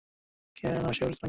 কেন সে অসুস্থ নাকি?